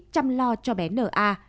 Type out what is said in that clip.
chăm lo cho bé n a